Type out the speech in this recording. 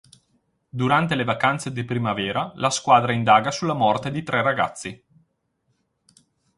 Durante le vacanze di primavera la squadra indaga sulla morte di tre ragazzi.